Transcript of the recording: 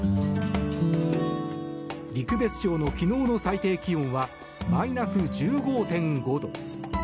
陸別町の昨日の最低気温はマイナス１５．５度。